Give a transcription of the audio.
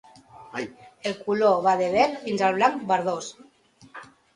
El color va de verd fins a blanc verdós.